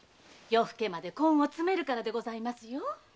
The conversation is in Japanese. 夜更けまで根を詰めるからでございますよ。